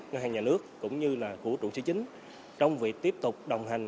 ngân hàng nhà nước cũng như là của trụ sĩ chính trong việc tiếp tục đồng hành